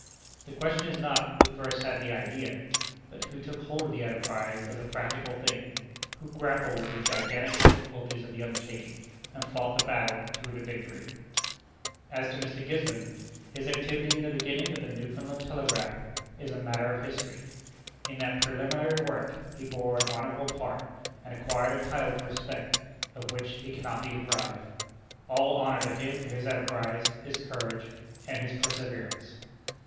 The question is not who first had the "idea," but who took hold of the enterprise as a practical thing; who grappled with the gigantic difficulties of the undertaking, and fought the battle through to victory. As to Mr. Gisborne, his activity in the beginning of the Newfoundland telegraph is a matter of history. In that preliminary work, he bore an honorable part, and acquired a title to respect, of which he cannot be deprived. All honor to him for his enterprise, his courage, and his perseverance!